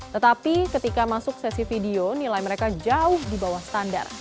tetapi ketika masuk sesi video nilai mereka jauh di bawah standar